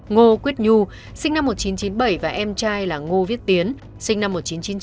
ngô quyết nhu sinh năm một nghìn chín trăm chín mươi bảy và em trai là ngô viết tiến sinh năm một nghìn chín trăm chín mươi